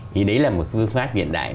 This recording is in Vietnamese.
thì đấy là một phương pháp hiện đại